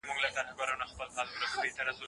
پاڼه د ونې په پښو کې خاوره شوه.